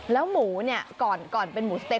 แล้วหมูก่อนเป็นหมูสะเตะ